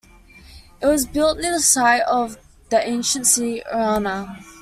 It was built near the site of the ancient city Erana.